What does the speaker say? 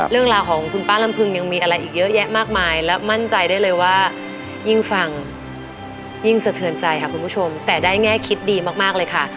เรื่องราวของคุณป้าลำพึงยังมีอะไรอีกเยอะแยะมากมายและมั่นใจได้เลยว่ายิ่งฟังยิ่งสะเทือนใจค่ะคุณผู้ชมแต่ได้แง่คิดดีมากเลยค่ะ